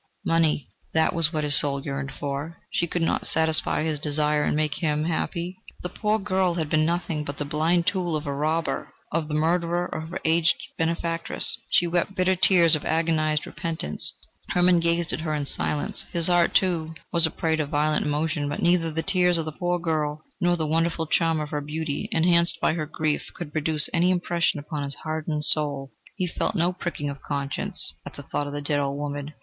Money that was what his soul yearned for! She could not satisfy his desire and make him happy! The poor girl had been nothing but the blind tool of a robber, of the murderer of her aged benefactress!... She wept bitter tears of agonised repentance. Hermann gazed at her in silence: his heart, too, was a prey to violent emotion, but neither the tears of the poor girl, nor the wonderful charm of her beauty, enhanced by her grief, could produce any impression upon his hardened soul. He felt no pricking of conscience at the thought of the dead old woman.